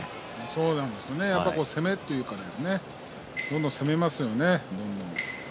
そうなんですねとにかくどんどん攻めますよね。